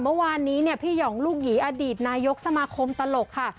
เมื่อวานนี้เนี่ยพี่หองลูกหยีอดีตนายกสมาคมตลกค่ะ